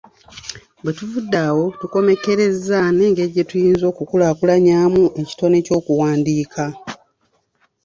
Bwe tuvudde awo tukommekkerezza n’engeri gye tuyinza okukulaakulanyaamu ekitone ky’okuwandiika.